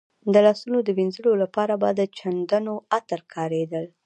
د لاسونو د وینځلو لپاره به د چندڼو عطر کارېدل.